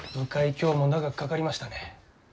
今日も長くかかりましたね。